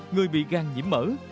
người bị gan nhiễm mỡ